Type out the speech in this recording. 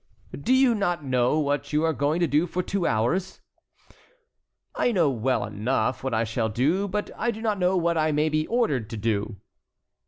"Do you not know what you are going to do for two hours?" "I know well enough what I shall do, but I do not know what I may be ordered to do."